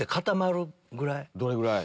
どれぐらい？